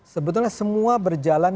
sebetulnya semua berjalan